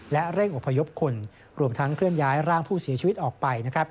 และเร่งอพยพคนรวมทั้งเคลื่อนย้ายร่างผู้เสียชีวิตออกไป